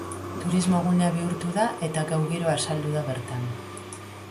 Turismo gunea bihurtu da eta gau giroa azaldu da bertan.